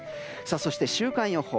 そして、週間予報。